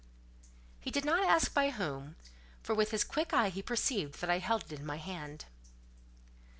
He did not ask by whom, for with his quick eye he perceived that I held it in my hand.